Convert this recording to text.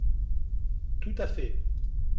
Tout à fait